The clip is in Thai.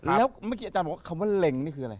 แล้วเมื่อกี้อาจารย์บอกว่าคำว่าเล็งนี่คืออะไร